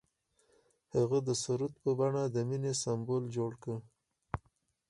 هغه د سرود په بڼه د مینې سمبول جوړ کړ.